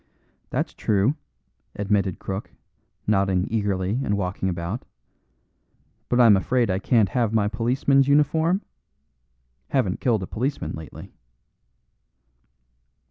"That's true," admitted Crook, nodding eagerly and walking about. "But I'm afraid I can't have my policeman's uniform? Haven't killed a policeman lately."